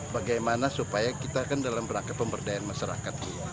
bagaimana supaya kita kan dalam rangka pemberdayaan masyarakat